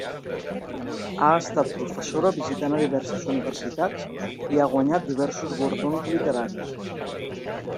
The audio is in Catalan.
Ha estat professora visitant a diverses universitats i ha guanyat diversos guardons literaris.